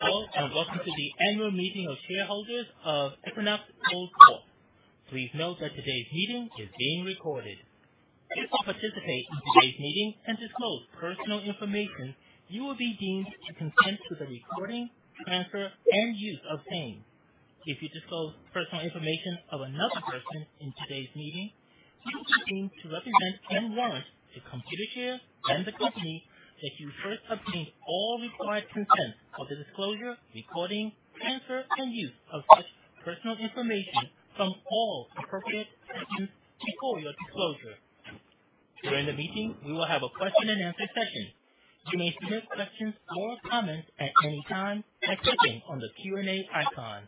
Hello, and welcome to the Annual Meeting of Shareholders of Equinox Gold Corp. Please note that today's meeting is being recorded. If you participate in today's meeting and disclose personal information, you will be deemed to consent to the recording, transfer, and use of same. If you disclose personal information of another person in today's meeting, you will be deemed to represent and warrant to Computershare and the company that you first obtained all required consent for the disclosure, recording, transfer, and use of such personal information from all appropriate persons before your disclosure. During the meeting, we will have a question and answer session. You may submit questions or comments at any time by clicking on the Q&A icon.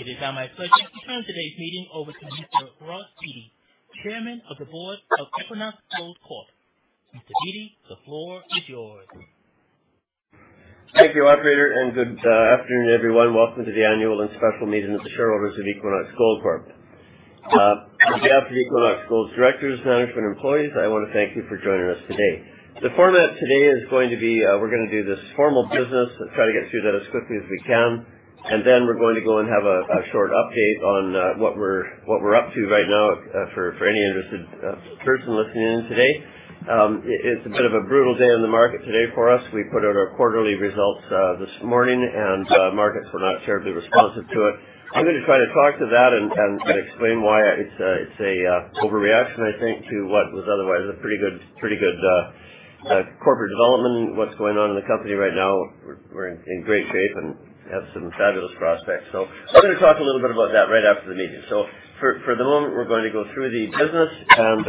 It is now my pleasure to turn today's meeting over to Mr. Ross Beaty, Chairman of the Board of Equinox Gold Corp. Mr. Beaty, the floor is yours. Thank you, operator, and good afternoon, everyone. Welcome to the Annual and Special Meeting of the Shareholders of Equinox Gold Corp. On behalf of Equinox Gold's directors, management, employees, I wanna thank you for joining us today. The format today is going to be, we're gonna do this formal business and try to get through that as quickly as we can. We're going to go and have a short update on what we're up to right now, for any interested person listening in today. It's a bit of a brutal day in the market today for us. We put out our quarterly results this morning, and markets were not terribly responsive to it. I'm gonna try to talk to that and explain why it's an overreaction, I think, to what was otherwise a pretty good corporate development and what's going on in the company right now. We're in great shape and have some fabulous prospects. I'm gonna talk a little bit about that right after the meeting. For the moment, we're going to go through the business and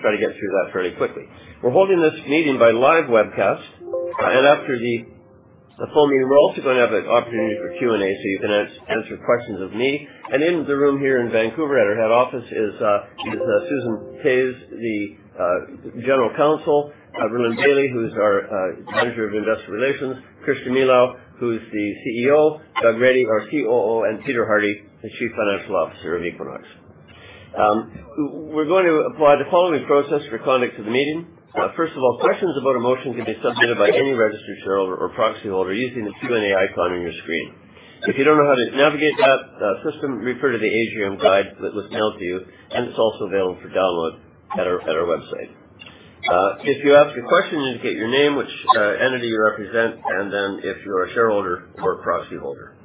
try to get through that fairly quickly. We're holding this meeting by live webcast, and after the full meeting, we're also gonna have an opportunity for Q&A so you can ask and answer questions of me. In the room here in Vancouver at our head office is Susan Toews, the General Counsel, Rhylin Bailie, who's our Vice President of Investor Relations, Christian Milau, who's the CEO, Doug Reddy, our COO, and Peter Hardie, the Chief Financial Officer of Equinox. We're going to apply the following process for conduct of the meeting. First of all, questions about a motion can be submitted by any registered shareholder or proxyholder using the Q&A icon on your screen. If you don't know how to navigate that system, refer to the AGM guide that was mailed to you, and it's also available for download at our website. If you ask a question, indicate your name, which entity you represent, and then if you're a shareholder or a proxyholder.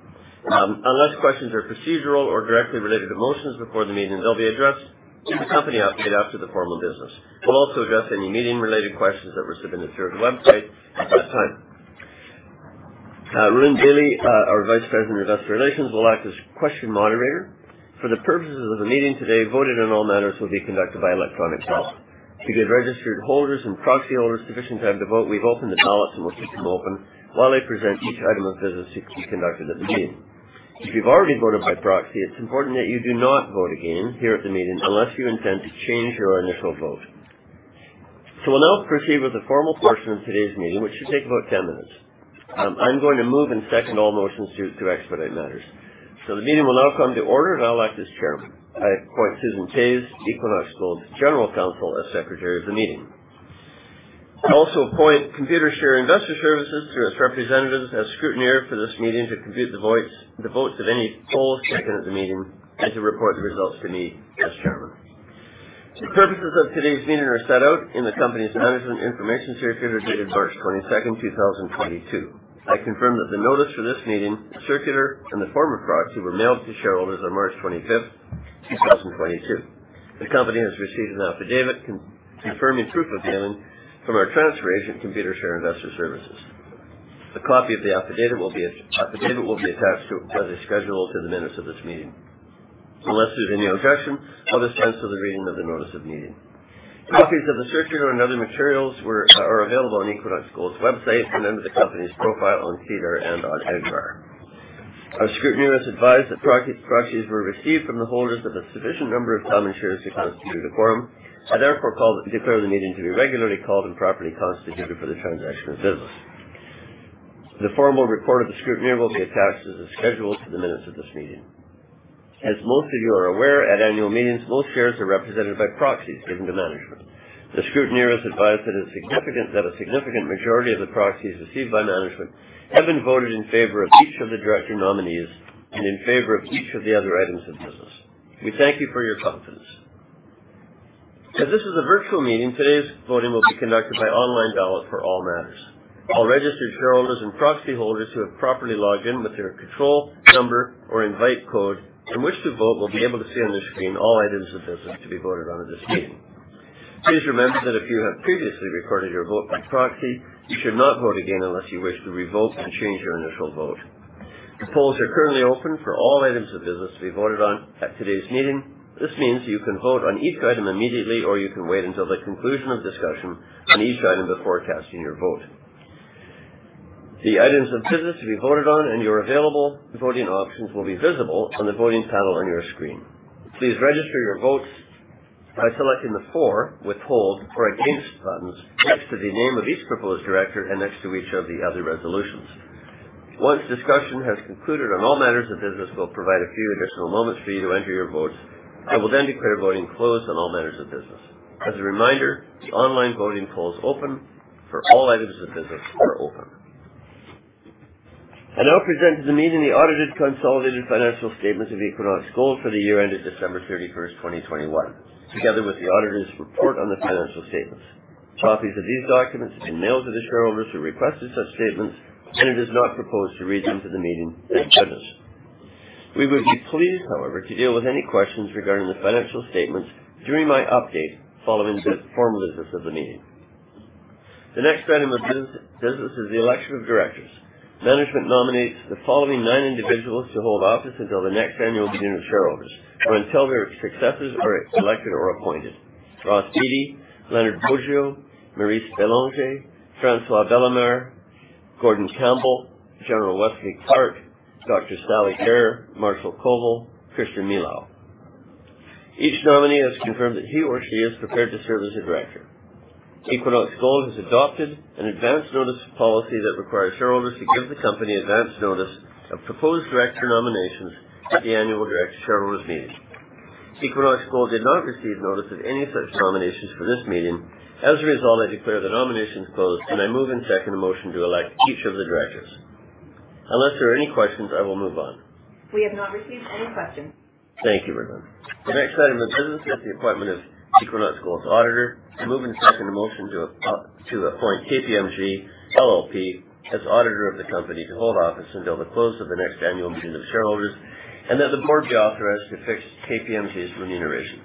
Unless questions are procedural or directly related to motions before the meeting, they'll be addressed in the company update after the formal business. We'll also address any meeting-related questions that were submitted through the website at that time. Rhylin Bailie, our Vice President of Investor Relations, will act as question moderator. For the purposes of the meeting today, voting on all matters will be conducted by electronic ballot. To give registered holders and proxy holders sufficient time to vote, we've opened the ballots and will keep them open while I present each item of business to be conducted at the meeting. If you've already voted by proxy, it's important that you do not vote again here at the meeting unless you intend to change your initial vote. We'll now proceed with the formal portion of today's meeting, which should take about 10 minutes. I'm going to move and second all motions to expedite matters. The meeting will now come to order, and I'll act as Chair. I appoint Susan Toews, Equinox Gold's General Counsel, as Secretary of the Meeting. I also appoint Computershare Investor Services through its representatives as scrutineer for this meeting to compute the votes of any polls taken at the meeting and to report the results to me as chairman. The purposes of today's meeting are set out in the company's Management Information Circular dated March 22nd, 2022. I confirm that the Notice for this Meeting, circular, and the form of proxy were mailed to shareholders on March 25th, 2022. The company has received an affidavit confirming proof of mailing from our transfer agent, Computershare Investor Services. A copy of the affidavit will be a. affidavit will be attached to, as a schedule to the minutes of this meeting. Unless there's any objection, I'll dispense of the reading of the Notice of Meeting. Copies of the circular and other materials are available on Equinox Gold's website and under the company's profile on SEDAR and on EDGAR. Our scrutineer has advised that proxies were received from the holders of a sufficient number of common shares to constitute a quorum. I therefore call, declare the meeting to be regularly called and properly constituted for the transaction of business. The formal report of the scrutineer will be attached as a schedule to the minutes of this meeting. As most of you are aware, at annual meetings, most shares are represented by proxies given to management. The scrutineer has advised that a significant majority of the proxies received by management have been voted in favor of each of the director nominees and in favor of each of the other items of business. We thank you for your confidence. As this is a virtual meeting, today's voting will be conducted by online ballot for all matters. All registered shareholders and proxy holders who have properly logged in with their control number or invite code in which to vote will be able to see on the screen all items of business to be voted on at this meeting. Please remember that if you have previously recorded your vote by proxy, you should not vote again unless you wish to revote and change your initial vote. The polls are currently open for all items of business to be voted on at today's meeting. This means you can vote on each item immediately, or you can wait until the conclusion of discussion on each item before casting your vote. The items of business to be voted on and your available voting options will be visible on the voting panel on your screen. Please register your votes by selecting the for, withhold, or against buttons next to the name of each proposed director and next to each of the other resolutions. Once discussion has concluded on all matters of business, we'll provide a few additional moments for you to enter your votes. I will then declare voting closed on all matters of business. As a reminder, the online voting polls open for all items of business are open. I now present to the meeting the audited consolidated financial statements of Equinox Gold for the year ended December 31st, 2021, together with the auditor's report on the financial statements. Copies of these documents have been mailed to the shareholders who requested such statements, and it is not proposed to read them to the meeting. Thank you. We would be pleased, however, to deal with any questions regarding the financial statements during my update following the formal business of the meeting. The next item of business is the election of directors. Management nominates the following nine individuals to hold office until the next Annual Meeting of Shareholders or until their successors are elected or appointed. Ross Beaty, Lenard Boggio, Maryse Bélanger, François Bellemare, Gordon Campbell, General Wesley Clark, Dr. Sally Eyre, Marshall Koval, Christian Milau. Each nominee has confirmed that he or she is prepared to serve as a director. Equinox Gold has adopted an Advance Notice Policy that requires shareholders to give the company Advance Notice of Proposed Director Nominations at the Annual Director Shareholders Meeting. Equinox Gold did not receive notice of any such nominations for this meeting. As a result, I declare the nominations closed, and I move and second the motion to elect each of the directors. Unless there are any questions, I will move on. We have not received any questions. Thank you, Rhylin. The next item of business is the appointment of Equinox Gold's auditor. I move and second the motion to appoint KPMG LLP as auditor of the company to hold office until the close of the next Annual Meeting of Shareholders and that the Board be authorized to fix KPMG's remuneration.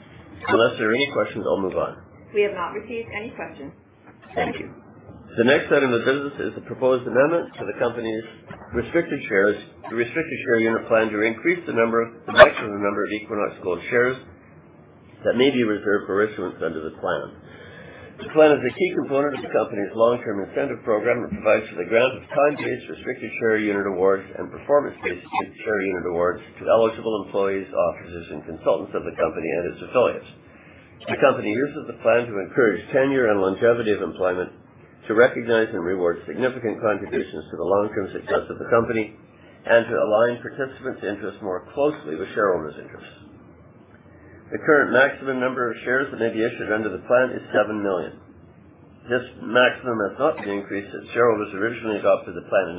Unless there are any questions, I'll move on. We have not received any questions. Thank you. The next item of business is the proposed amendment to the company's restricted shares, Restricted Share Unit plan to increase the number, the maximum number of Equinox Gold shares that may be reserved for issuance under the plan. The plan is a key component of the company's long-term incentive program that provides for the grant of time-based Restricted Share Unit awards and performance-based share unit awards to eligible employees, officers, and consultants of the company and its affiliates. The company uses the plan to encourage tenure and longevity of employment, to recognize and reward significant contributions to the long-term success of the company, and to align participants' interests more closely with shareholders' interests. The current maximum number of shares that may be issued under the plan is 7 million. This maximum has not been increased since shareholders originally adopted the plan in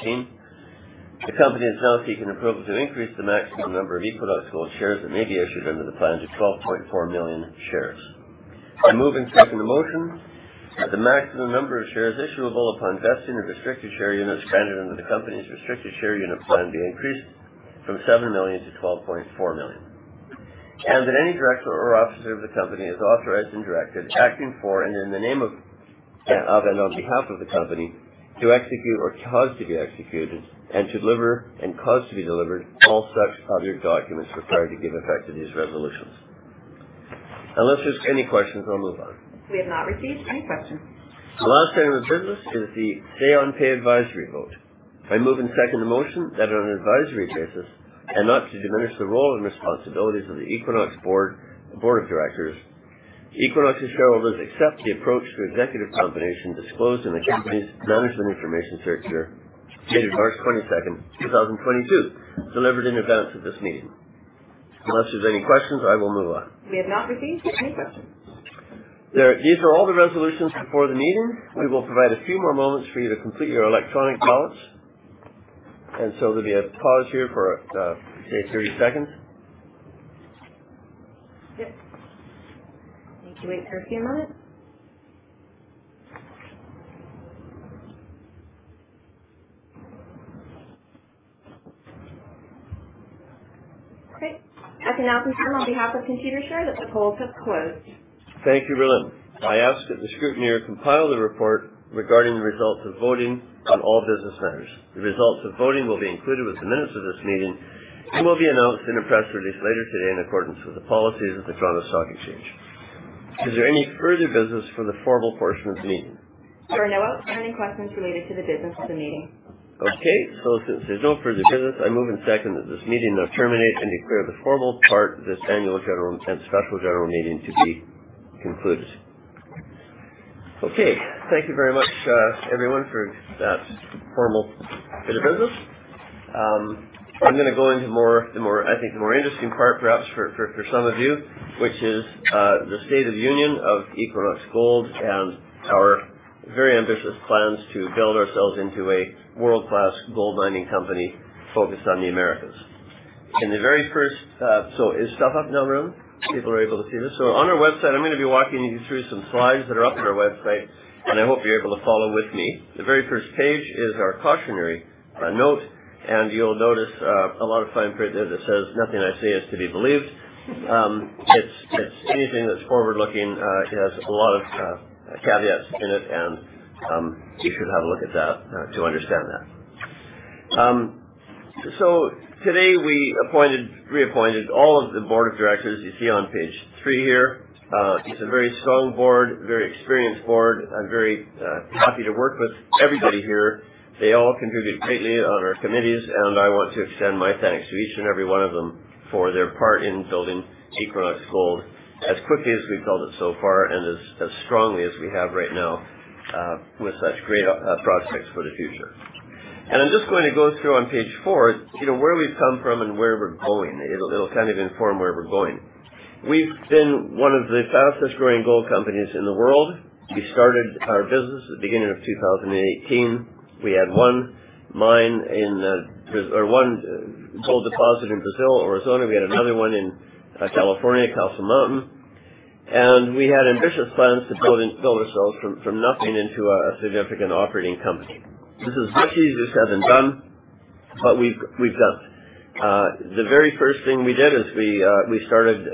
2018. The company is now seeking approval to increase the maximum number of Equinox Gold shares that may be issued under the plan to 12.4 million shares. I move and second the motion that the maximum number of shares issuable upon vesting of Restricted Share Units granted under the company's Restricted Share Unit plan be increased from 7 million to 2.4 million. That any director or officer of the company is authorized and directed, acting for and in the name of and, of and on behalf of the company, to execute or cause to be executed and deliver and cause to be delivered all such public documents required to give effect to these resolutions. Unless there's any questions, I'll move on. We have not received any questions. The last item of business is the Say on Pay advisory vote. I move and second the motion that on an advisory basis, and not to diminish the role and responsibilities of the Equinox Board of Directors, Equinox's shareholders accept the approach to executive compensation disclosed in the company's Management Information Circular dated March 22nd, 2022, delivered in advance of this meeting. Unless there's any questions, I will move on. We have not received any questions. There, these are all the resolutions before the meeting. We will provide a few more moments for you to complete your electronic ballots, and so there'll be a pause here for, say, 30 seconds. Yep. Need to wait for a few moments. Great. I can now confirm on behalf of Computershare that the polls have closed. Thank you, Rhylin. I ask that the scrutineer compile the report regarding the results of voting on all business matters. The results of voting will be included with the minutes of this meeting and will be announced in a press release later today in accordance with the policies of the Toronto Stock Exchange. Is there any further business for the formal portion of the meeting? There are no outstanding questions related to the business of the meeting. Okay. Since there's no further business, I move and second that this meeting now terminate and declare the formal part of this annual general and special general meeting to be concluded. Okay, thank you very much, everyone for that formal bit of business. I'm gonna go into the more interesting part perhaps for some of you, which is the state of the union of Equinox Gold and our very ambitious plans to build ourselves into a world-class gold mining company focused on the Americas. Is stuff up now, Rhylin? People are able to see this? On our website, I'm gonna be walking you through some slides that are up on our website, and I hope you're able to follow with me. The very first page is our cautionary note, and you'll notice a lot of fine print there that says nothing I say is to be believed. It's anything that's forward-looking. It has a lot of caveats in it, and you should have a look at that to understand that. Today we reappointed all of the Board of Directors you see on page three here. It's a very strong board, very experienced board. I'm very happy to work with everybody here. They all contribute greatly on our committees, and I want to extend my thanks to each and every one of them for their part in building Equinox Gold as quickly as we've built it so far and as strongly as we have right now, with such great prospects for the future. I'm just going to go through on page four, you know, where we've come from and where we're going. It'll kind of inform where we're going. We've been one of the fastest-growing gold companies in the world. We started our business at the beginning of 2018. We had one mine in, or one gold deposit in Brazil, Aurizona. We had another one in California, Castle Mountain. We had ambitious plans to build and build ourselves from nothing into a significant operating company. This is much easier said than done, but we've done it. The very first thing we did is we started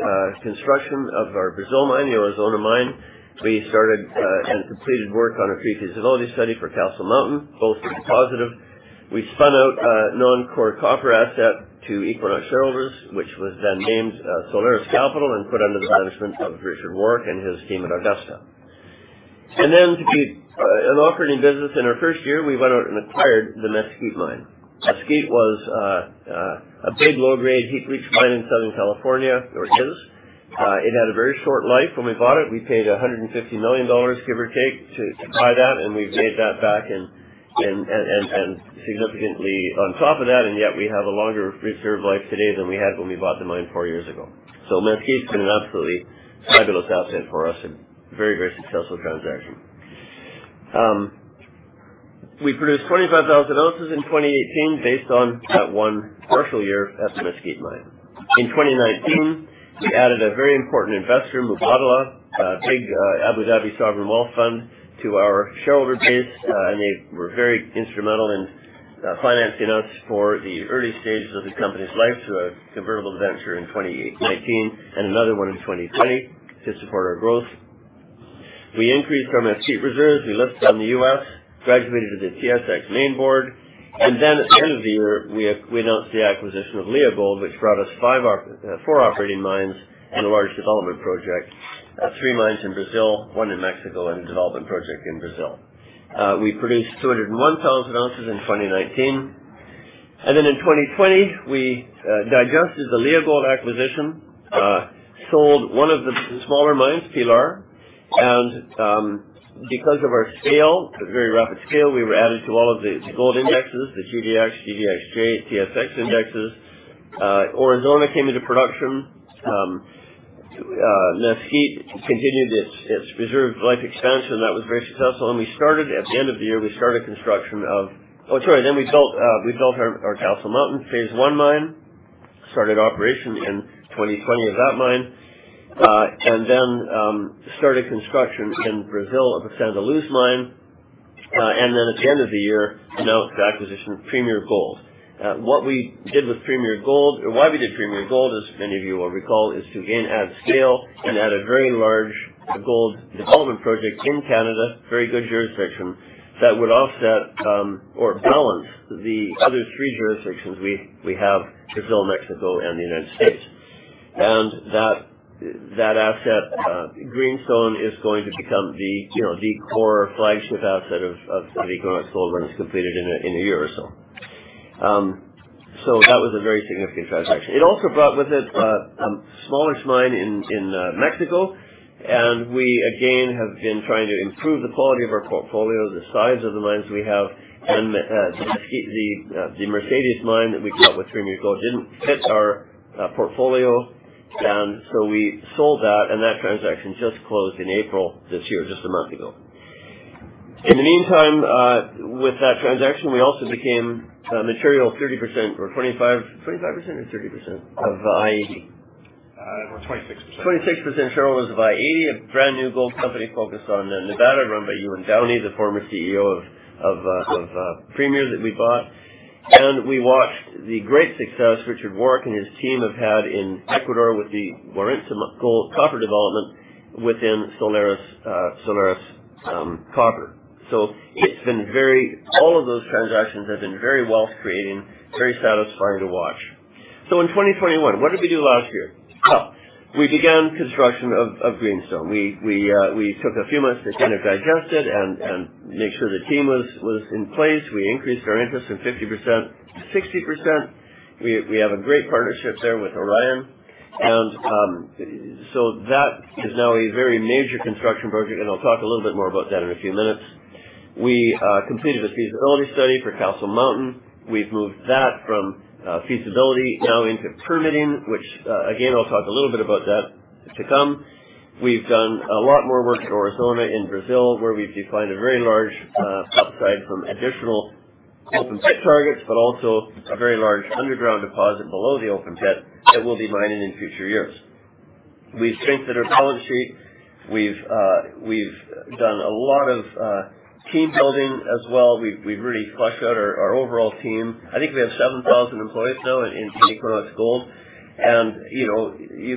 construction of our Brazil mine, the Aurizona mine. We started and completed work on a pre-feasibility study for Castle Mountain, both positive. We spun out a non-core copper asset to Equinox shareholders, which was then named Solaris Resources and put under the management of Richard Warke and his team at Augusta Group. To be an operating business in our first year, we went out and acquired the Mesquite mine. Mesquite was a big, low-grade heap leach mine in Southern California, or it is. It had a very short life when we bought it. We paid $150 million, give or take, to buy that, and we've made that back and significantly on top of that, and yet we have a longer reserve life today than we had when we bought the mine four years ago. Mesquite's been an absolutely fabulous asset for us and very, very successful transaction. We produced 25,000 ounces in 2018 based on that one partial year at the Mesquite mine. In 2019, we added a very important investor, Mubadala, a big Abu Dhabi sovereign wealth fund, to our shareholder base. They were very instrumental in financing us for the early stages of the company's life through a convertible debenture in 2019 and another one in 2020 to support our growth. We increased our Mesquite reserves. We listed on the U.S., graduated to the TSX main board. At the end of the year, we announced the acquisition of Leagold, which brought us four operating mines and a large development project. Three mines in Brazil, one in Mexico, and a development project in Brazil. We produced 201,000 ounces in 2019. In 2020, we digested the Leagold acquisition, sold one of the smaller mines, Pilar. Because of our scale, a very rapid scale, we were added to all of the gold indexes, the GDX, GDXJ, TSX indexes. Aurizona came into production. Mesquite continued its reserve life extension. That was very successful. At the end of the year, we started construction of. We built our Castle Mountain phase one mine, started operation in 2020 of that mine. Started construction in Brazil of the Santa Luz mine. At the end of the year, announced the acquisition of Premier Gold. What we did with Premier Gold or why we did Premier Gold, as many of you will recall, is to again add scale and add a very large gold development project in Canada, very good jurisdiction, that would offset, or balance the other three jurisdictions we have, Brazil, Mexico, and the United States. That asset, Greenstone, is going to become the, you know, the core flagship asset of Equinox Gold when it's completed in a year or so. That was a very significant transaction. It also brought with it a smaller mine in Mexico. We, again, have been trying to improve the quality of our portfolio, the size of the mines we have. The Mesquite, the Mercedes mine that we got with Premier Gold didn't fit our portfolio. We sold that, and that transaction just closed in April this year, just a month ago. In the meantime, with that transaction, we also became a material 25% or 30% of i-80? We're 26%. 26% shareholders of i-80, a brand new gold company focused on Nevada run by Ewan Downie, the former CEO of Premier that we bought. We watched the great success Richard Warke and his team have had in Ecuador with the Lundin Gold copper development within Solaris Resources. It's been very wealth creating, very satisfying to watch. In 2021, what did we do last year? Well, we began construction of Greenstone. We took a few months to kind of digest it and make sure the team was in place. We increased our interest from 50% to 60%. We have a great partnership there with Orion. That is now a very major construction project, and I'll talk a little bit more about that in a few minutes. We completed the feasibility study for Castle Mountain. We've moved that from feasibility now into permitting, which again, I'll talk a little bit more about that to come. We've done a lot more work at Aurizona in Brazil, where we've defined a very large upside from additional open pit targets, but also a very large underground deposit below the open pit that we'll be mining in future years. We've strengthened our balance sheet. We've done a lot of team building as well. We've really fleshed out our overall team. I think we have 7,000 employees now in Equinox Gold. You know, you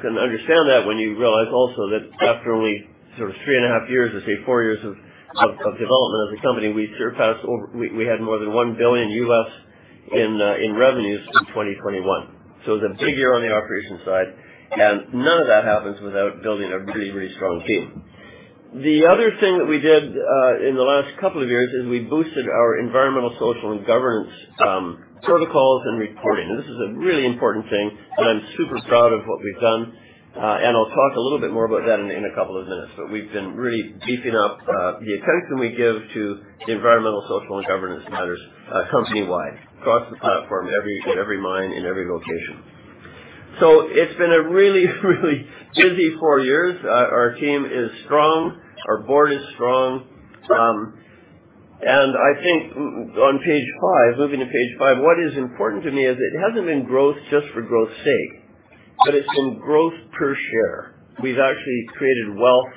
can understand that when you realize also that after only sort of 3.5 years or, say, four years of development as a company, we had more than $1 billion in revenues in 2021. It was a big year on the operations side, and none of that happens without building a really, really strong team. The other thing that we did in the last couple of years is we boosted our environmental, social, and governance protocols and reporting. This is a really important thing, and I'm super proud of what we've done. And I'll talk a little bit more about that in a couple of minutes, but we've been really beefing up the attention we give to environmental, social, and governance matters company-wide across the platform, in every mine, in every location. So it's been a really, really busy four years. Our team is strong, our Board is strong. And I think on page five, moving to page five, what is important to me is it hasn't been growth just for growth's sake, but it's been growth per share. We've actually created wealth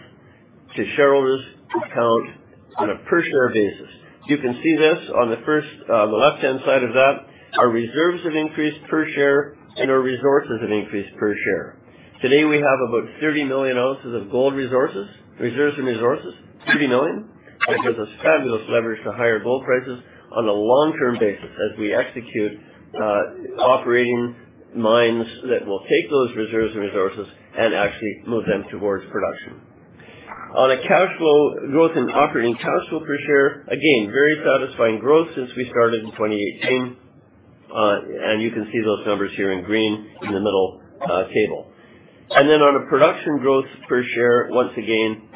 to shareholders' account on a per share basis. You can see this on the first, the left-hand side of that. Our reserves have increased per share and our resources have increased per share. Today, we have about 30 million ounces of gold resources. Reserves and resources, 30 million. It gives us fabulous leverage to higher gold prices on a long-term basis as we execute operating mines that will take those reserves and resources and actually move them towards production. On a cash flow, growth in operating cash flow per share, again, very satisfying growth since we started in 2018. You can see those numbers here in green in the middle table. On a production growth per share, once again,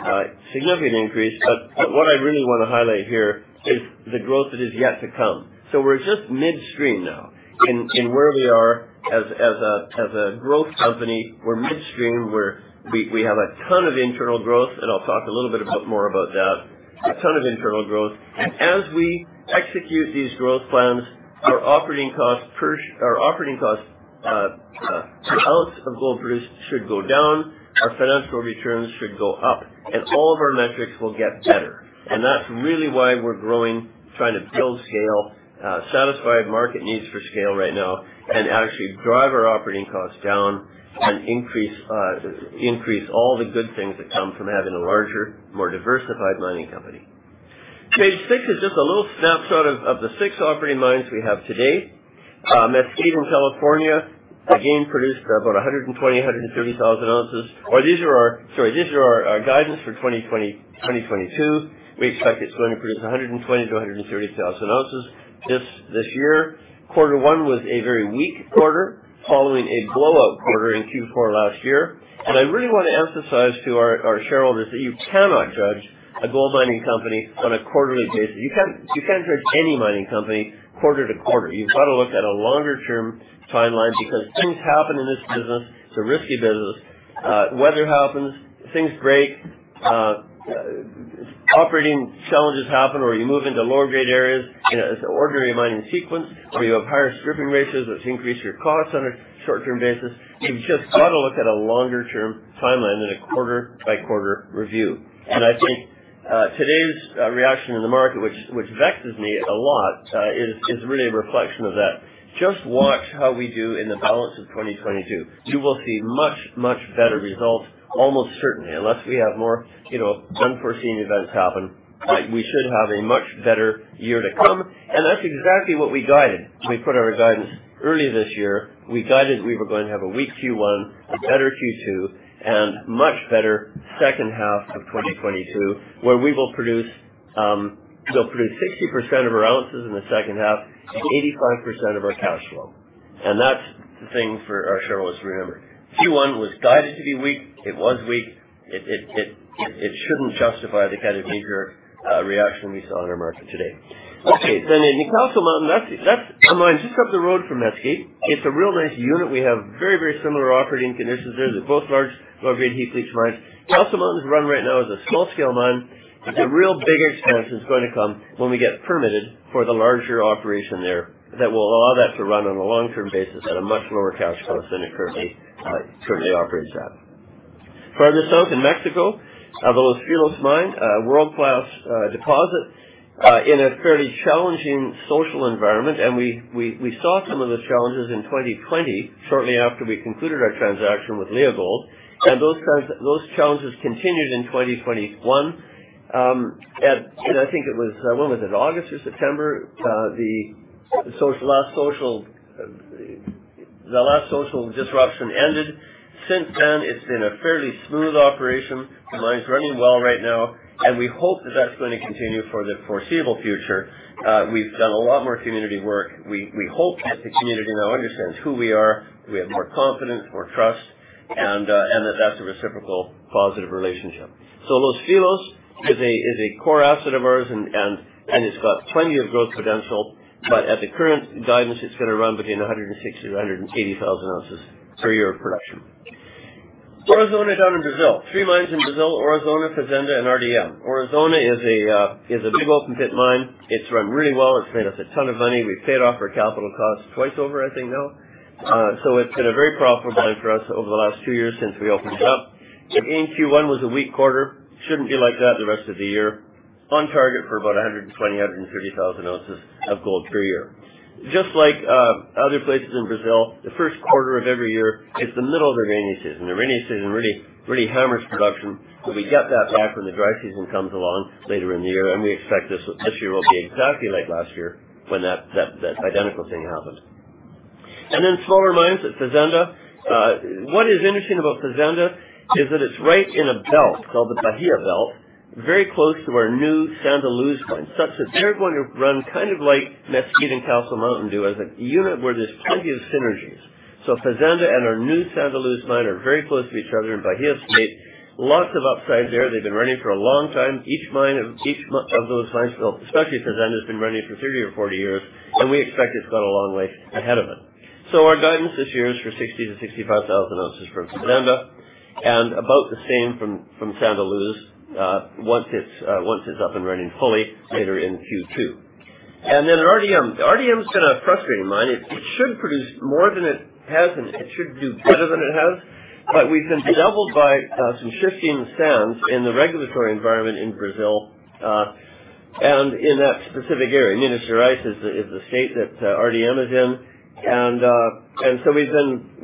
significant increase. What I really wanna highlight here is the growth that is yet to come. We're just midstream now in where we are as a growth company. We're midstream. We have a ton of internal growth, and I'll talk a little bit more about that. A ton of internal growth. As we execute these growth plans, our operating costs per ounce of gold produced should go down, our financial returns should go up, and all of our metrics will get better. That's really why we're growing, trying to build scale, satisfy market needs for scale right now, and actually drive our operating costs down and increase all the good things that come from having a larger, more diversified mining company. Page six is just a little snapshot of the six operating mines we have to date. Mesquite in California, again, produced about 120,000 ounces-130,000 ounces. These are our guidance for 2020, 2022. We expect it's going to produce 120,000 ounces-130,000 ounces this year. Quarter one was a very weak quarter following a blowout quarter in Q4 last year. I really wanna emphasize to our shareholders that you cannot judge a gold mining company on a quarterly basis. You can't judge any mining company quarter to quarter. You've got to look at a longer term timeline because things happen in this business. It's a risky business. Weather happens, things break, operating challenges happen, or you move into lower grade areas in an ordinary mining sequence where you have higher stripping ratios, which increase your costs on a short-term basis. You've just got to look at a longer term timeline than a quarter by quarter review. I think today's reaction in the market which vexes me a lot is really a reflection of that. Just watch how we do in the balance of 2022. You will see much better results almost certainly. Unless we have more, you know, unforeseen events happen, we should have a much better year to come, and that's exactly what we guided. We put our guidance early this year. We guided we were going to have a weak Q1, a better Q2, and much better second half of 2022, where we will produce 60% of our ounces in the second half and 85% of our cash flow. That's the thing for our shareholders to remember. Q1 was guided to be weak. It was weak. It shouldn't justify the kind of major reaction we saw in our market today. Okay, in Castle Mountain, that's a mine just up the road from Mesquite. It's a real nice unit. We have very similar operating conditions there. They're both large, low-grade heap leach mines. Castle Mountain's run right now is a small-scale mine, but the real big expense is gonna come when we get permitted for the larger operation there that will allow that to run on a long-term basis at a much lower cash cost than it currently operates at. Further south in Mexico, the Los Filos mine, a world-class deposit in a fairly challenging social environment. We saw some of those challenges in 2020, shortly after we concluded our transaction with Leagold. Those trans. Those challenges continued in 2021. The last social disruption ended in August or September. Since then, it's been a fairly smooth operation. The mine's running well right now, and we hope that that's gonna continue for the foreseeable future. We've done a lot more community work. We hope that the community now understands who we are, we have more confidence, more trust, and that that's a reciprocal positive relationship. Los Filos is a core asset of ours, and it's got plenty of growth potential. At the current guidance, it's gonna run between 160,000 ounces-180,000 ounces per year of production. Aurizona down in Brazil. Three mines in Brazil, Aurizona, Fazenda, and RDM. Aurizona is a big open pit mine. It's run really well. It's made us a ton of money. We've paid off our capital costs twice over, I think now. It's been a very profitable mine for us over the last two years since we opened it up. Again, Q1 was a weak quarter. Shouldn't be like that the rest of the year. On target for about 120,000 ounces-130,000 ounces of gold per year. Just like other places in Brazil, the first quarter of every year is the middle of the rainy season. The rainy season really hammers production, but we get that back when the dry season comes along later in the year, and we expect this year will be exactly like last year when that identical thing happened. Smaller mines at Fazenda. What is interesting about Fazenda is that it's right in a belt called the Bahia Belt, very close to our new Santa Luz mine, such that they're going to run kind of like Mesquite and Castle Mountain do as a unit where there's plenty of synergies. Fazenda and our new Santa Luz mine are very close to each other in Bahia State. Lots of upside there. They've been running for a long time. Each of those mines, well, especially Fazenda, has been running for 30 or 40 years, and we expect it's got a long way ahead of it. Our guidance this year is for 60,000 ounces-65,000 ounces from Fazenda and about the same from Santa Luz, once it's up and running fully later in Q2. Then RDM. RDM's been a frustrating mine. It should produce more than it has, and it should do better than it has. We've been bedeviled by some shifting sands in the regulatory environment in Brazil, and in that specific area. Minas Gerais is the state that RDM is in.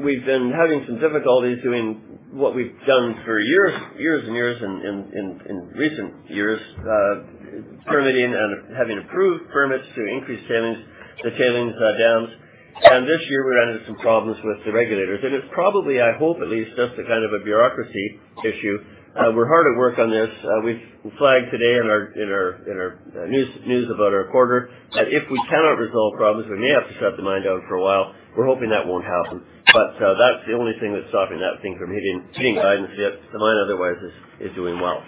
We've been having some difficulties doing what we've done for years and years in recent years, permitting and having approved permits to increase tailings dams. This year, we ran into some problems with the regulators. It's probably, I hope at least, just a kind of a bureaucracy issue. We're hard at work on this. We've flagged today in our news about our quarter that if we cannot resolve problems, we may have to shut the mine down for a while. We're hoping that won't happen. That's the only thing that's stopping that thing from hitting guidance yet. The mine otherwise is doing well.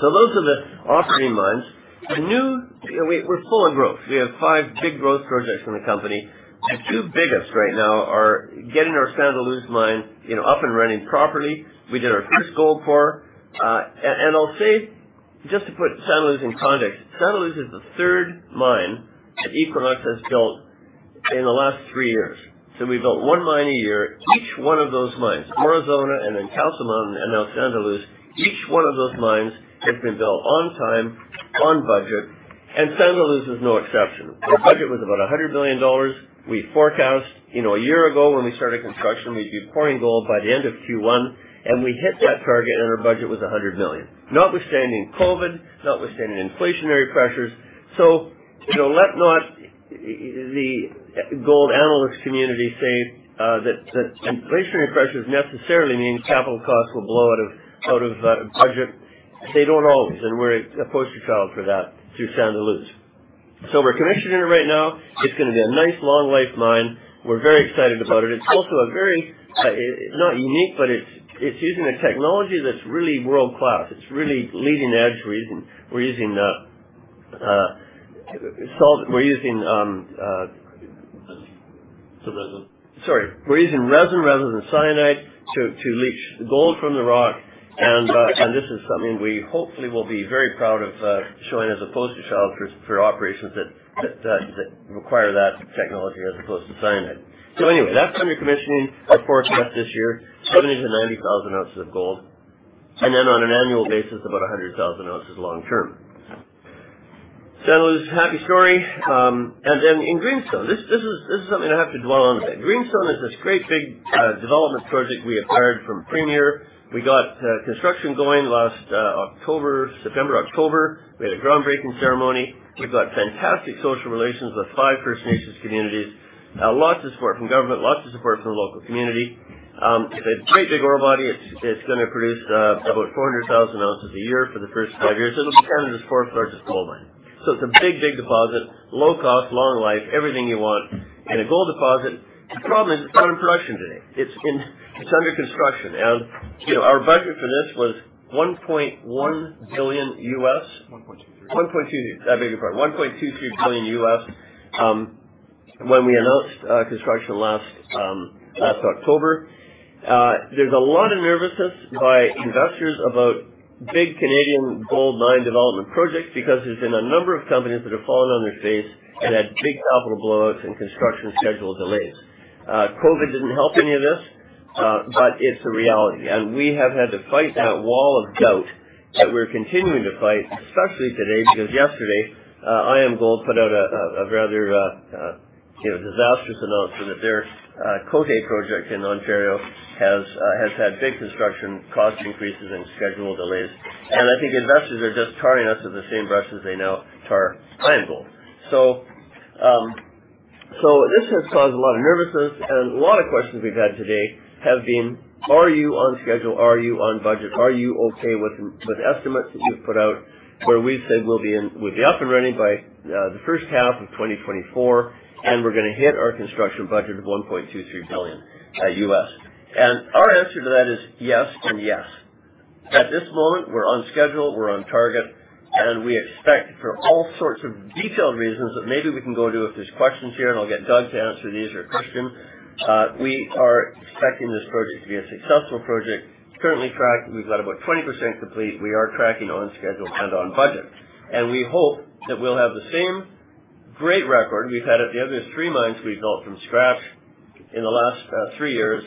Those are the operating mines. You know, we're full on growth. We have five big growth projects in the company. The two biggest right now are getting our Santa Luz mine, you know, up and running properly. We did our first gold pour. I'll say, just to put Santa Luz in context, Santa Luz is the third mine that Equinox has built in the last three years. We've built one mine a year. Each one of those mines, Aurizona and then Castle Mountain and now Santa Luz, each one of those mines has been built on time, on budget, and Santa Luz is no exception. The budget was about $100 million. We forecast, you know, a year ago when we started construction, we'd be pouring gold by the end of Q1, and we hit that target, and our budget was $100 million, notwithstanding COVID, notwithstanding inflationary pressures. You know, let not the gold analyst community say that inflationary pressures necessarily mean capital costs will blow out of budget. They don't always, and we're a poster child for that through Santa Luz. We're commissioning it right now. It's gonna be a nice long life mine. We're very excited about it. It's also a very not unique, but it's using a technology that's really world-class. It's really leading edge. We're using resin rather than cyanide to leach gold from the rock. This is something we hopefully will be very proud of showing as a poster child for operations that require that technology as opposed to cyanide. Anyway, that's under commissioning before the end of this year, 70,000 ounces-90,000 ounces of gold. Then on an annual basis, about 100,000 ounces long term. Santa Luz, happy story. In Greenstone, this is something I have to dwell on a bit. Greenstone is this great big development project we acquired from Premier. We got construction going last September, October. We had a groundbreaking ceremony. We've got fantastic social relations with five First Nations communities. Lots of support from government, lots of support from the local community. It's a great big ore body. It's gonna produce about 400,000 ounces a year for the first five years. It'll be Canada's fourth-largest gold mine. It's a big deposit, low cost, long life, everything you want in a gold deposit. The problem is it's not in production today. It's under construction. You know, our budget for this was $1.1 billion. $1.23 billion. $1.23 billion when we announced construction last October. There's a lot of nervousness by investors about big Canadian gold mine development projects because there's been a number of companies that have fallen on their face and had big capital blowouts and construction schedule delays. COVID didn't help any of this, but it's a reality. We have had to fight that wall of doubt that we're continuing to fight, especially today, because yesterday, IAMGOLD put out a rather disastrous announcement that their Côté project in Ontario has had big construction cost increases and schedule delays. I think investors are just tarring us with the same brush as they now tar IAMGOLD. This has caused a lot of nervousness, and a lot of questions we've had today have been, "Are you on schedule? Are you on budget? Are you okay with the estimates that you've put out where we've said we'll be up and running by the first half of 2024, and we're gonna hit our construction budget of $1.23 billion?" Our answer to that is yes and yes. At this moment, we're on schedule, we're on target, and we expect for all sorts of detailed reasons that maybe we can go to if there's questions here, and I'll get Doug to answer these or Christian. We are expecting this project to be a successful project. Currently tracked, we've got about 20% complete. We are tracking on schedule and on budget. We hope that we'll have the same great record we've had at the other three mines we've built from scratch in the last three years,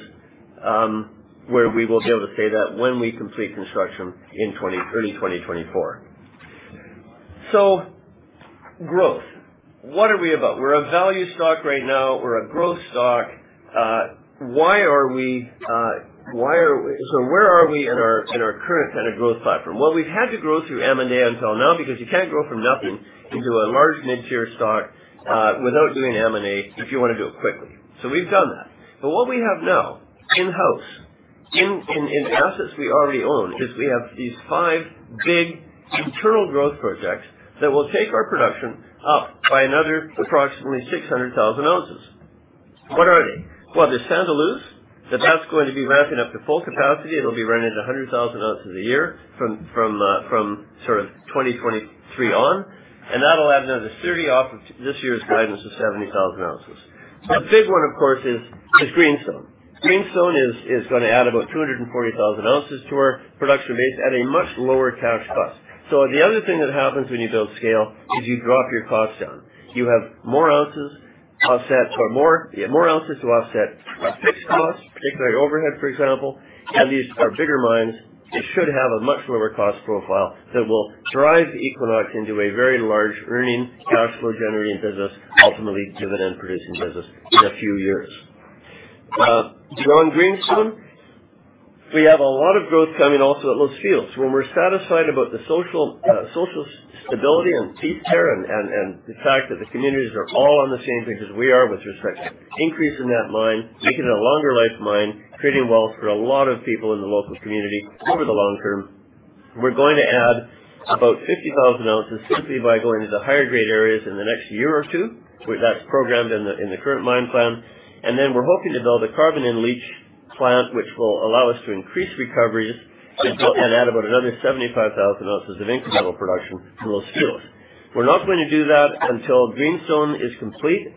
where we will be able to say that when we complete construction in early 2024. Growth. What are we about? We're a value stock right now. We're a growth stock. Where are we in our current kind of growth platform? Well, we've had to grow through M&A until now because you can't grow from nothing into a large mid-tier stock without doing M&A if you wanna do it quickly. We've done that. But what we have now in-house in assets we already own is we have these five big internal growth projects that will take our production up by another approximately 600,000 ounces. What are they? Well, there's Aurizona, that's going to be ramping up to full capacity. It'll be running at 100,000 ounces a year from sort of 2023 on, and that'll add another 30,000 ounces off of this year's guidance of 70,000 ounces. The big one, of course, is Greenstone. Greenstone is gonna add about 240,000 ounces to our production base at a much lower cash cost. The other thing that happens when you build scale is you drop your costs down. You have more ounces to offset fixed costs, particularly overhead, for example. These are bigger mines. They should have a much lower cost profile that will drive Equinox into a very large earning cash flow generating business, ultimately dividend producing business in a few years. Beyond Greenstone, we have a lot of growth coming also at Los Filos. When we're satisfied about the social stability and peace there and the fact that the communities are all on the same page as we are with respect to increasing that mine, making it a longer life mine, creating wealth for a lot of people in the local community over the long term, we're going to add about 50,000 ounces simply by going to the higher grade areas in the next year or two. That's programmed in the current mine plan. Then we're hoping to build a carbon-in-leach plant which will allow us to increase recoveries and go and add about another 75,000 ounces of incremental production to Los Filos. We're not going to do that until Greenstone is complete,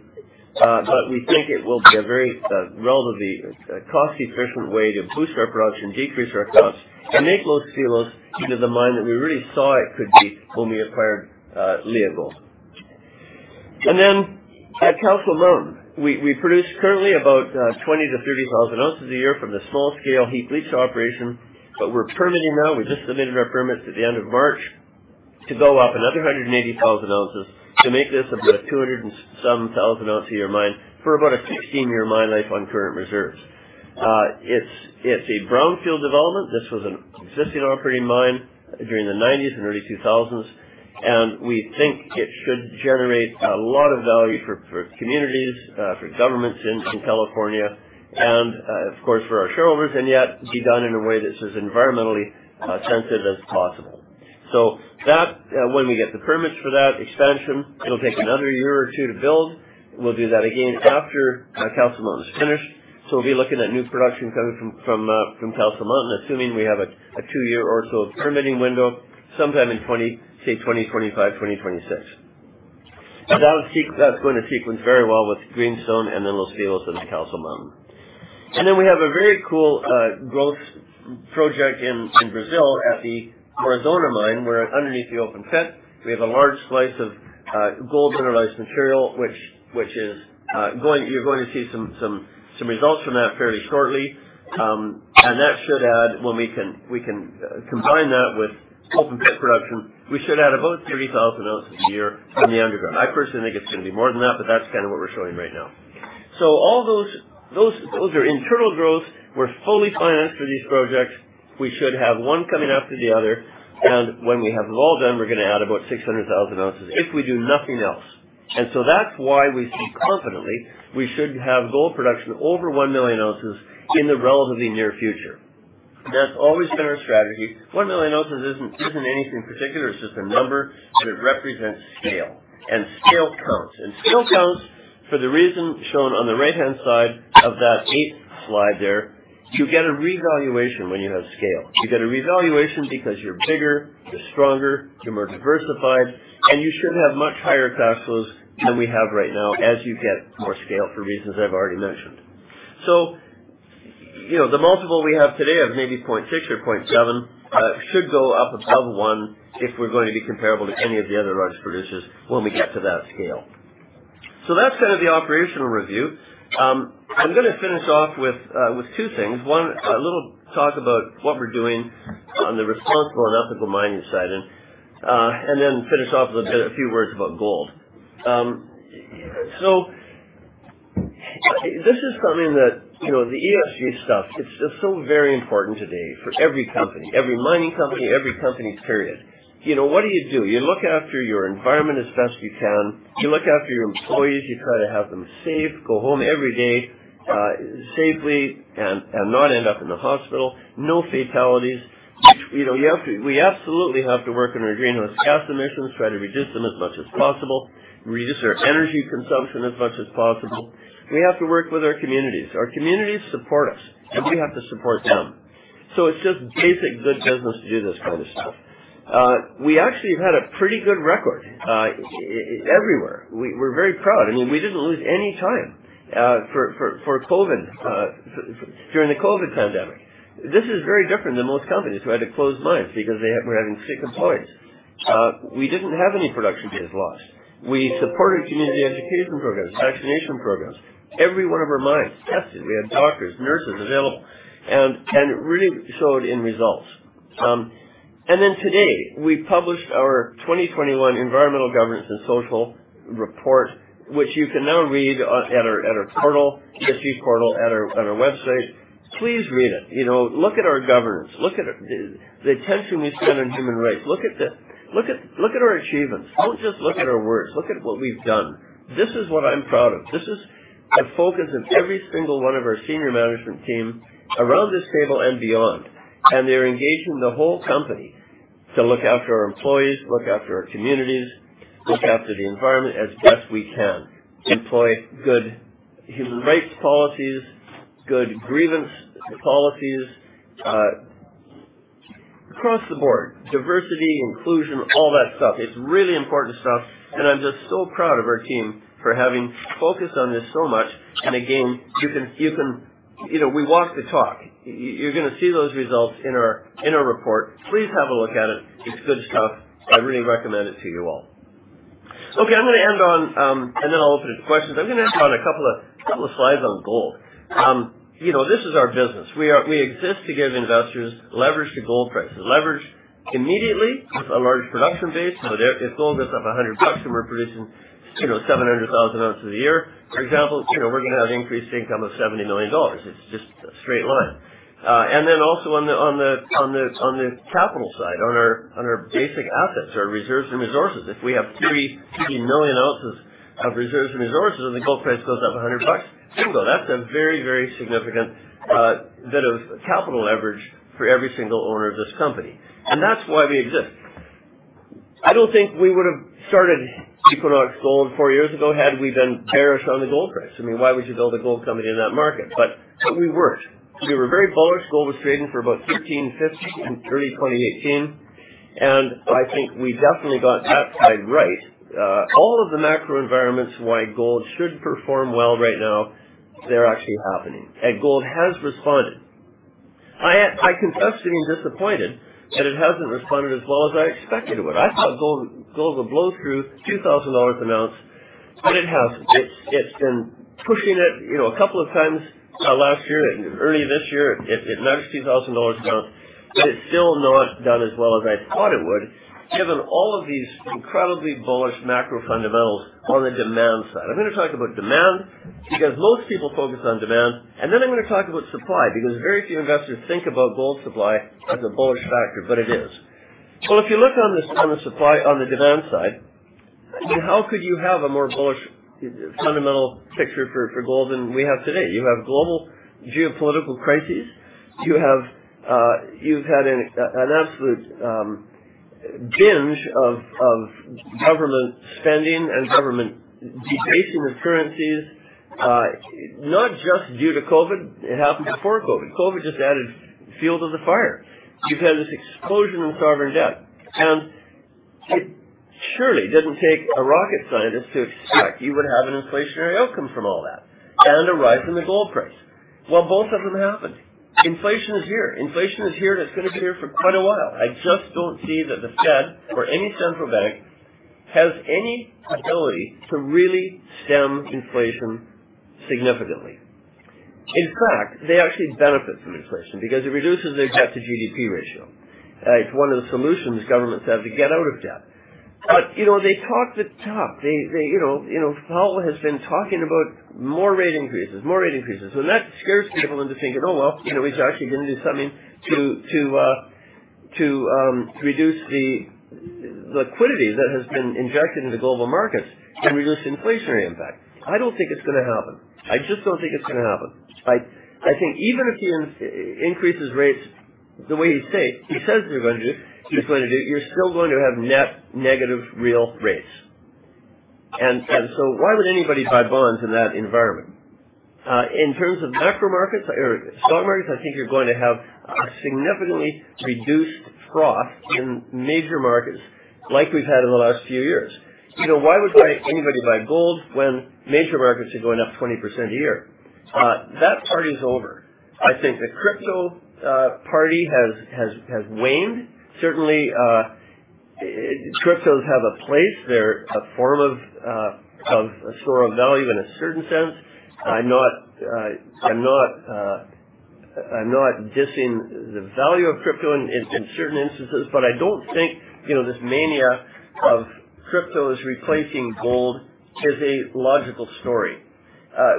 but we think it will be a very relatively cost-efficient way to boost our production, decrease our costs, and make Los Filos into the mine that we really saw it could be when we acquired Leagold. At Castle Mountain, we produce currently about 20,000 ounces-30,000 ounces a year from the small scale heap leach operation. We're permitting now. We just submitted our permits at the end of March to build up another 180,000 ounces to make this about 200,000+ ounce a year mine for about a 16-year mine life on current reserves. It's a brownfield development. This was an existing operating mine during the 1990s and early 2000s, and we think it should generate a lot of value for communities, for governments in California and, of course, for our shareholders, and yet be done in a way that's as environmentally sensitive as possible. So that, when we get the permits for that expansion, it'll take another year or two to build. We'll do that again after Castle Mountain is finished. We'll be looking at new production coming from Castle Mountain, assuming we have a two-year or so permitting window sometime in the 2020s, say 2025, 2026. That's gonna sequence very well with Greenstone and then Los Filos and Castle Mountain. We have a very cool growth project in Brazil at the Aurizona mine, where underneath the open pit, we have a large slice of gold mineralized material. You're going to see some results from that fairly shortly. That should add when we can combine that with open pit production. We should add about 30,000 ounces a year from the underground. I personally think it's gonna be more than that, but that's kinda what we're showing right now. All those are internal growth. We're fully financed for these projects. We should have one coming after the other, and when we have them all done, we're gonna add about 600,000 ounces if we do nothing else. That's why we say confidently we should have gold production over 1 million ounces in the relatively near future. That's always been our strategy. 1 million ounces isn't anything particular, it's just a number, but it represents scale, and scale counts. Scale counts for the reason shown on the right-hand side of that eighth slide there. You get a revaluation when you have scale. You get a revaluation because you're bigger, you're stronger, you're more diversified, and you should have much higher cash flows than we have right now as you get more scale for reasons I've already mentioned. You know, the multiple we have today of maybe 0.6x or 0.7x should go up above 1x if we're going to be comparable to any of the other large producers when we get to that scale. That's kind of the operational review. I'm gonna finish off with two things. One, a little talk about what we're doing on the responsible and ethical mining side and then finish off with a few words about gold. This is something that, you know, the ESG stuff, it's just so very important today for every company, every mining company, every company, period. You know, what do you do? You look after your environment as best you can. You look after your employees. You try to have them safe, go home every day, safely and not end up in the hospital. No fatalities. You know, we absolutely have to work on our greenhouse gas emissions, try to reduce them as much as possible, reduce our energy consumption as much as possible. We have to work with our communities. Our communities support us, and we have to support them. It's just basic good business to do this kind of stuff. We actually have had a pretty good record everywhere. We're very proud. I mean, we didn't lose any time for COVID during the COVID pandemic. This is very different than most companies who had to close mines because they had sick employees. We didn't have any production days lost. We supported community education programs, vaccination programs. Every one of our mines tested. We had doctors, nurses available and it really showed in results. Today, we published our 2021 ESG report, which you can now read at our ESG portal at our website. Please read it. You know, look at our governance. Look at the attention we spend on human rights. Look at our achievements. Don't just look at our words. Look at what we've done. This is what I'm proud of. This is the focus of every single one of our senior management team around this table and beyond, and they're engaging the whole company to look after our employees, look after our communities, look after the environment as best we can. Employ good human rights policies, good grievance policies, across the board, diversity, inclusion, all that stuff. It's really important stuff, and I'm just so proud of our team for having focused on this so much. You know, we walk the talk. You're gonna see those results in our report. Please have a look at it. It's good stuff. I really recommend it to you all. Okay, I'm gonna end on and then I'll open it to questions. I'm gonna end on a couple of slides on gold. You know, this is our business. We exist to give investors leverage to gold prices. Leverage immediately with a large production base. If gold goes up $100 and we're producing, you know, 700,000 ounces a year, for example, you know, we're gonna have increased income of $70 million. It's just a straight line. And then also on the capital side, on our basic assets, our reserves and resources. If we have 3 million ounces of reserves and resources, and the gold price goes up $100, bingo. That's a very significant bit of capital leverage for every single owner of this company. That's why we exist. I don't think we would've started Equinox Gold four years ago had we been bearish on the gold price. I mean, why would you build a gold company in that market? We weren't. We were very bullish. Gold was trading for about $1,550 in early 2018, and I think we definitely got that side right. All of the macro environments why gold should perform well right now, they're actually happening, and gold has responded. I confess to being disappointed that it hasn't responded as well as I expected it would. I thought gold would blow through $2,000 an ounce, but it hasn't. It's been pushing it, you know, a couple of times, last year and early this year. It managed $2,000 an ounce, but it's still not done as well as I thought it would, given all of these incredibly bullish macro fundamentals on the demand side. I'm gonna talk about demand because most people focus on demand, and then I'm gonna talk about supply, because very few investors think about gold supply as a bullish factor, but it is. Well, if you look on the demand side, I mean, how could you have a more bullish fundamental picture for gold than we have today? You have global geopolitical crises. You've had an absolute binge of government spending and government debasing of currencies, not just due to COVID. It happened before COVID. COVID just added fuel to the fire. You've had this explosion in sovereign debt, and it surely doesn't take a rocket scientist to expect you would have an inflationary outcome from all that and a rise in the gold price. Well, both of them happened. Inflation is here. Inflation is here, and it's gonna be here for quite a while. I just don't see that the Fed or any central bank has any ability to really stem inflation significantly. In fact, they actually benefit from inflation because it reduces their debt-to-GDP ratio. It's one of the solutions governments have to get out of debt. You know, they talk the talk. You know, Powell has been talking about more rate increases, and that scares people into thinking, "Oh, well, you know, he's actually gonna do something to reduce the liquidity that has been injected into global markets and reduce the inflationary impact." I don't think it's gonna happen. I just don't think it's gonna happen. I think even if he increases rates the way he states he says he's gonna do, you're still going to have net negative real rates. So why would anybody buy bonds in that environment? In terms of macro markets or stock markets, I think you're going to have a significantly reduced froth in major markets like we've had in the last few years. You know, why would anybody buy gold when major markets are going up 20% a year? That party's over. I think the crypto party has waned. Certainly, cryptos have a place. They're a form of a store of value in a certain sense. I'm not dissing the value of crypto in certain instances, but I don't think, you know, this mania of crypto is replacing gold is a logical story.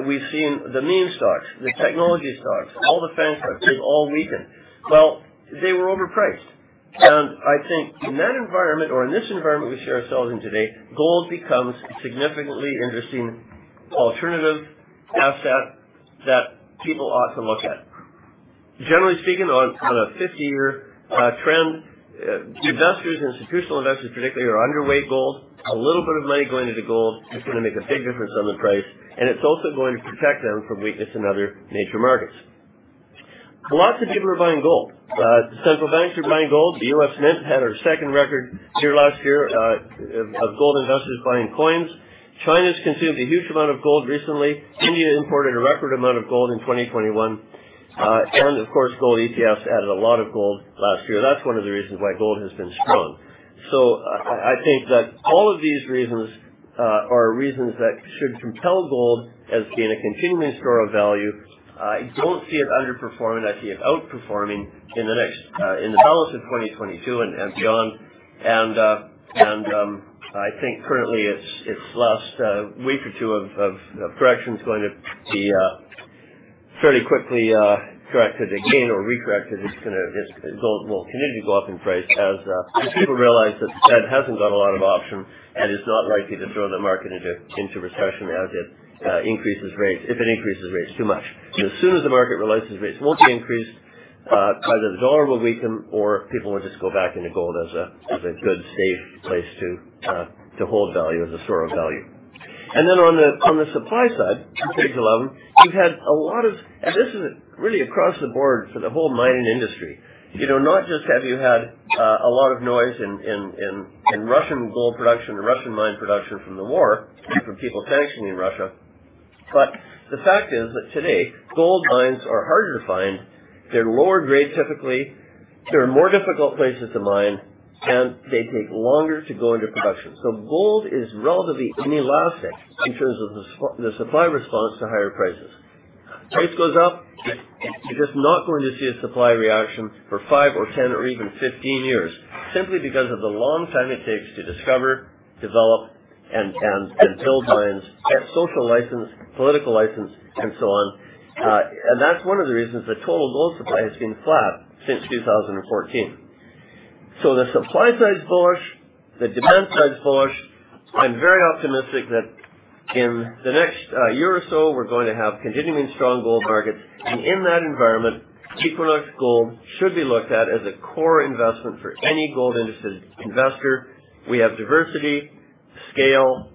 We've seen the meme stocks, the technology stocks, all the FANG stocks, they've all weakened. Well, they were overpriced. I think in that environment or in this environment we see ourselves in today, gold becomes a significantly interesting alternative asset that people ought to look at. Generally speaking, on a 50-year trend, investors, institutional investors particularly, are underweight gold. A little bit of money going into gold is gonna make a big difference on the price, and it's also going to protect them from weakness in other major markets. Lots of people are buying gold. Central banks are buying gold. The U.S. Mint had our second record year last year of gold investors buying coins. China's consumed a huge amount of gold recently. India imported a record amount of gold in 2021. Of course, gold ETFs added a lot of gold last year. That's one of the reasons why gold has been strong. I think that all of these reasons are reasons that should compel gold as being a continuing store of value. I don't see it underperforming. I see it outperforming in the next, in the balance of 2022 and beyond. I think currently it's last week or two of correction is going to be fairly quickly corrected again or re-corrected, it's gonna. This gold will continue to go up in price as people realize that the Fed hasn't got a lot of option and is not likely to throw the market into recession as it increases rates, if it increases rates too much. As soon as the market realizes rates won't be increased, either the dollar will weaken or people will just go back into gold as a good, safe place to hold value, as a store of value. Then on the supply side, since 2011, you've had a lot of. This is really across the board for the whole mining industry. You know, not just have you had a lot of noise in Russian gold production or Russian mine production from the war and from people sanctioning Russia, but the fact is that today, gold mines are harder to find. They're lower grade typically, they're in more difficult places to mine, and they take longer to go into production. Gold is relatively inelastic in terms of the supply response to higher prices. Price goes up, you're just not going to see a supply reaction for five or 10 or even 15 years, simply because of the long time it takes to discover, develop, and build mines, get social license, political license, and so on. That's one of the reasons the total gold supply has been flat since 2014. The supply side's bullish, the demand side's bullish. I'm very optimistic that in the next year or so, we're going to have continuing strong gold markets. In that environment, Equinox Gold should be looked at as a core investment for any gold interested investor. We have diversity, scale,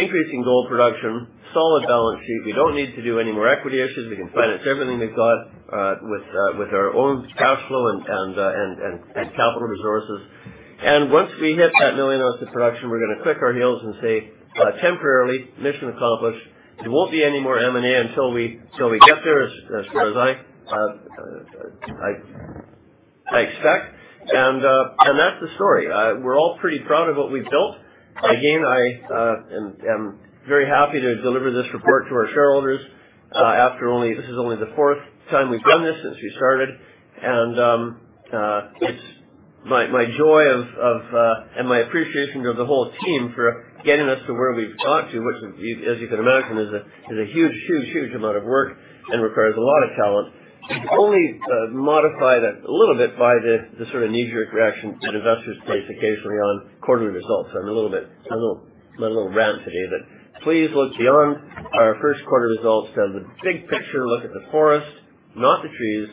increasing gold production, solid balance sheet. We don't need to do any more equity issues. We can finance everything we've got with our own cash flow and capital resources. Once we hit that 1 million ounces of production, we're gonna click our heels and say, temporarily, "Mission accomplished." There won't be any more M&A until we get there as far as I expect. That's the story. We're all pretty proud of what we've built. Again, I am very happy to deliver this report to our shareholders after only this is only the fourth time we've done this since we started. It's my joy and my appreciation of the whole team for getting us to where we've got to, which, as you can imagine, is a huge amount of work and requires a lot of talent. Only modify that a little bit by the sort of knee-jerk reaction that investors face occasionally on quarterly results. I'm a little ranty today, but please look beyond our first quarter results to the big picture. Look at the forest, not the trees.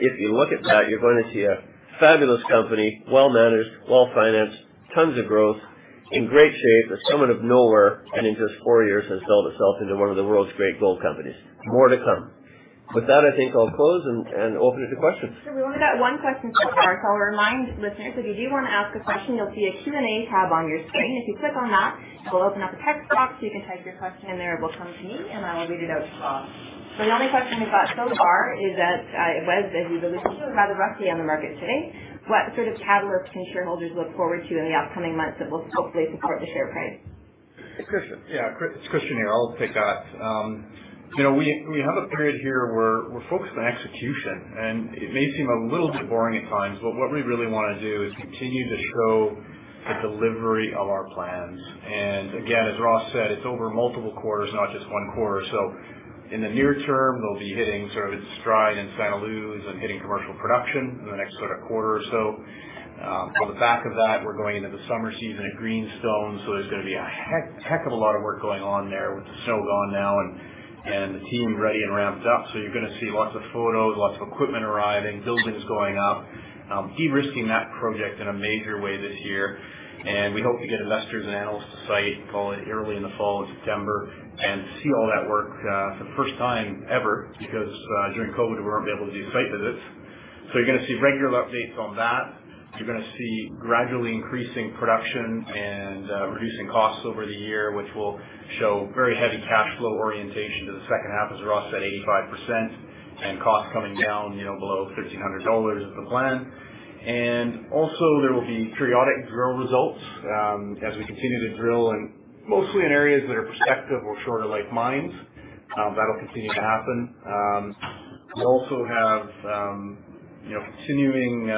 If you look at that, you're going to see a fabulous company, well managed, well financed, tons of growth, in great shape that's come out of nowhere and in just four years has sold itself into one of the world's great gold companies. More to come. With that, I think I'll close and open it to questions. We only got one question so far, so I'll remind listeners, if you do wanna ask a question, you'll see a Q&A tab on your screen. If you click on that, it will open up a text box. You can type your question in there. It will come to me, and I will read it out to Ross. The only question we've got so far is that as you were listening, it was rather rusty on the market today. What sort of catalyst can shareholders look forward to in the upcoming months that will hopefully support the share price? It's Christian. Yeah, it's Christian here. I'll take that. You know, we have a period here where we're focused on execution, and it may seem a little bit boring at times, but what we really wanna do is continue to show the delivery of our plans. Again, as Ross said, it's over multiple quarters, not just one quarter. In the near term, they'll be hitting sort of its stride in Santa Luz and hitting commercial production in the next sort of quarter or so. On the back of that, we're going into the summer season at Greenstone, so there's gonna be a heck of a lot of work going on there with the snow gone now and the team's ready and ramped up. You're gonna see lots of photos, lots of equipment arriving, buildings going up, de-risking that project in a major way this year. We hope to get investors and analysts to the site early in the fall, in September, and see all that work for the first time ever because, during COVID, we weren't able to do site visits. You're gonna see regular updates on that. You're gonna see gradually increasing production and reducing costs over the year, which will show very heavy cash flow orientation to the second half, as Ross said, 85% and costs coming down, you know, below $1,500 is the plan. Also, there will be periodic drill results as we continue to drill and mostly in areas that are prospective or shorter life mines. That'll continue to happen. We also have, you know, continuing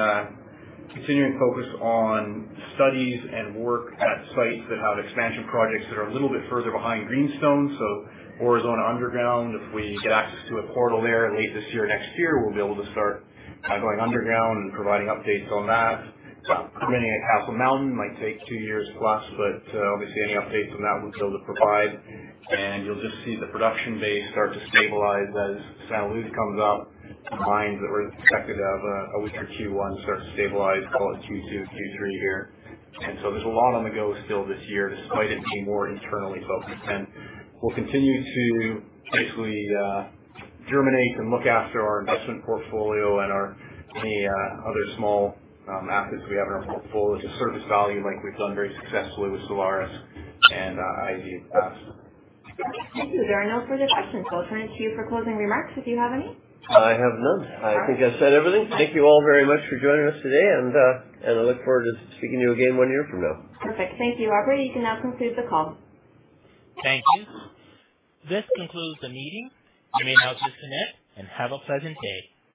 focus on studies and work at sites that have expansion projects that are a little bit further behind Greenstone. Aurizona Underground, if we get access to a portal there late this year, next year, we'll be able to start kind of going underground and providing updates on that. Permitting at Castle Mountain might take two years+, but obviously any updates on that we'll be able to provide. You'll just see the production base start to stabilize as Santa Luz comes up and mines that were second half or Q1 start to stabilize call it Q2, Q3 here. There's a lot on the go still this year, despite it being more internally focused. We'll continue to basically germinate and look after our investment portfolio and any other small assets we have in our portfolio to surface value like we've done very successfully with Solaris and i-80 in the past. Thank you. There are no further questions. I'll turn it to you for closing remarks if you have any. I have none. All right. I think I've said everything. Thank you all very much for joining us today, and I look forward to speaking to you again one year from now. Perfect. Thank you, operator. You can now conclude the call. Thank you. This concludes the meeting. You may now disconnect and have a pleasant day.